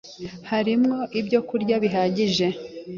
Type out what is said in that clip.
harimwo ibyo kurya bihagije